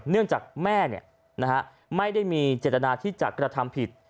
เนื่องจากแม่ไม่ได้มีเจตนาที่จะกระทำผิด